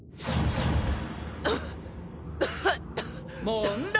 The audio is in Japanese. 問題！